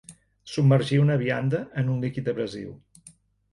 Submergir una vianda en un líquid abrasiu.